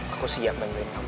aku siap bantuin kamu